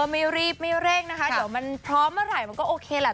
ไม่รีบไม่เร่งนะคะเดี๋ยวมันพร้อมเมื่อไหร่มันก็โอเคแหละ